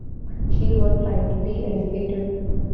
She was privately educated.